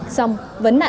xong vẫn nặng